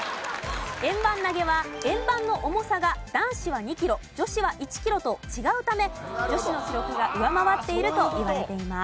円盤投は円盤の重さが男子は２キロ女子は１キロと違うため女子の記録が上回っているといわれています。